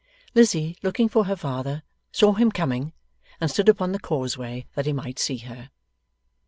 Lizzie, looking for her father, saw him coming, and stood upon the causeway that he might see her.